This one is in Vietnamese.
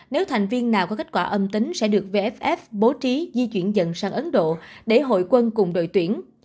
nếu thành viên nào có kết quả âm tính sẽ được vff bố trí di chuyển dần sang ấn độ để hội quân cùng đội tuyển